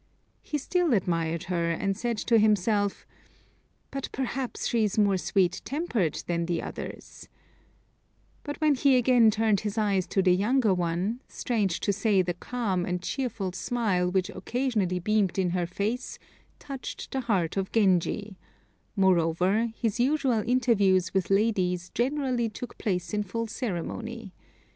He still admired her, and said to himself, "But perhaps she is more sweet tempered than the others"; but when he again turned his eyes to the younger one, strange to say the calm and cheerful smile which occasionally beamed in her face touched the heart of Genji; moreover, his usual interviews with ladies generally took place in full ceremony.